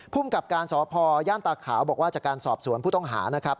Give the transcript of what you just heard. ภูมิกับการสพย่านตาขาวบอกว่าจากการสอบสวนผู้ต้องหานะครับ